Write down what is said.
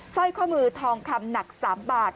สร้อยข้อมือทองคำหนัก๓บาท